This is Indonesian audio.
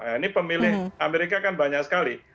ini pemilih amerika kan banyak sekali